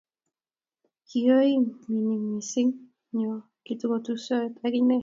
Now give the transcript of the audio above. kioii minik misiing nyon kikitusiotii ak inyee